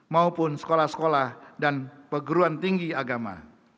maupun sekolah sekolah dan perguruan tinggi agama